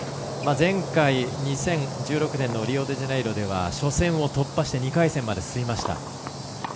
前回、２０１６年のリオデジャネイロでは初戦突破して２回戦まで進みました。